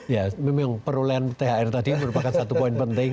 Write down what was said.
ya memang perolehan thr tadi merupakan satu poin penting